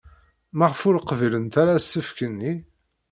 Maɣef ur qbilent ara asefk-nni?